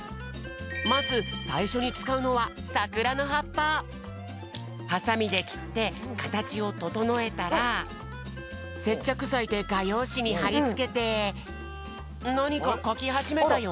まずさいしょにつかうのははさみできってかたちをととのえたらせっちゃくざいでがようしにはりつけてなにかかきはじめたよ。